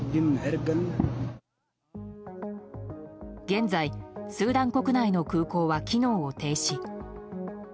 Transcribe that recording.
現在、スーダン国内の空港は機能を停止。